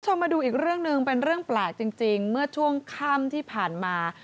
มาดูอีกเรื่องหนึ่งเป็นเรื่องแปลกจริงเมื่อช่วงค่ำที่ผ่านมา